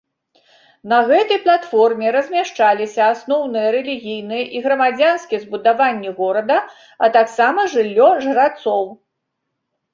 На гэтай платформе размяшчаліся асноўныя рэлігійныя і грамадзянскія збудаванні горада, а таксама жыллё жрацоў.